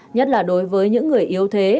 nhất là đối với những người yếu thế